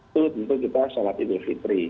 turut untuk kita salat hidup fitri